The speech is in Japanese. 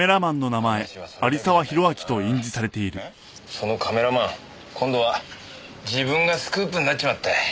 そのカメラマン今度は自分がスクープになっちまった。